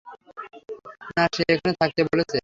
না, সে এখানে থাকতে বলেছে।